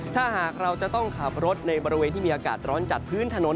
ถ้าหากเราจะต้องขับรถในบริเวณที่มีอากาศร้อนจัดพื้นถนน